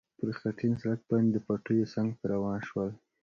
پر خټین سړک باندې د پټیو څنګ ته روان شول.